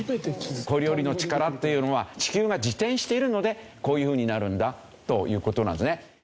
コリオリの力っていうのは地球が自転しているのでこういうふうになるんだという事なんですね。